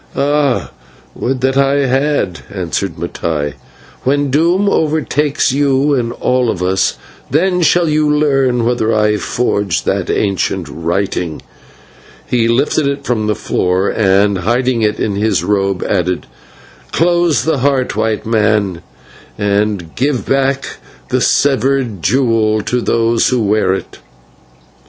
"Ah! would that I had," answered Mattai; "but when doom overtakes you and all of us, then shall you learn whether I forged that ancient writing;" and he lifted it from the floor, and, hiding it in his robe, added, "Close the heart, White Man, and give back the severed jewel to those who wear it."